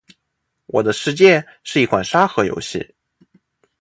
《我的世界》是一款沙盒游戏。